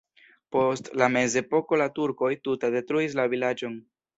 Post la mezepoko la turkoj tute detruis la vilaĝon.